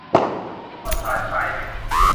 ต้นสายปลายเหตุ